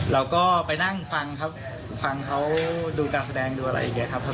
เราก็ไปนั่งฟังครับฟังเขาดูการแสดงดูอะไรอย่างนี้ครับ